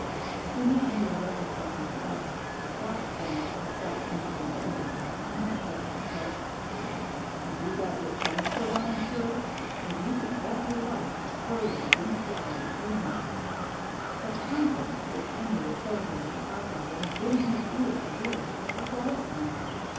A man who was registering at the desk watched them as they stepped into an elevator, and then said to the clerk: "Have you got your furniture well insured? Because you can bet your life the fur will begin to fly in a few minutes." But the conference, which any reporter in Chicago would have given his ears to hear, was a quiet one.